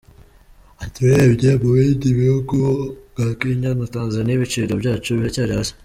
Ati “Urebye mu bindi bihugu nka Kenya na Tanzania, ibiciro byacu biracyari hasi.